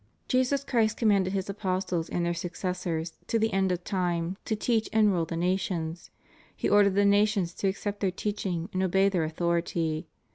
Jesus Christ commanded His apostles and their suc cessors to the end of time to teach and rule the nations. He ordered the nations to accept their teaching and obey their authority.